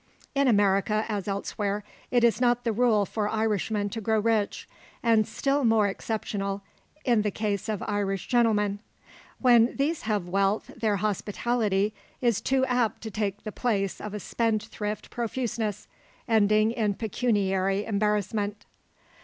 In America, as elsewhere, it is not the rule for Irishmen to grow rich; and still more exceptional in the case of Irish gentlemen. When these have wealth their hospitality is too apt to take the place of a spendthrift profuseness, ending in pecuniary embarrassment.